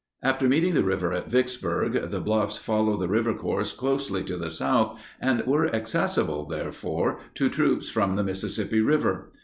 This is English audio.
After meeting the river at Vicksburg, the bluffs follow the river course closely to the south and were accessible, therefore, to troops from the Mississippi River.